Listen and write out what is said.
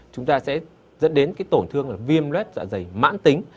chúng ta sẽ dẫn đến tổn thương viêm luet dạ dày mãn tính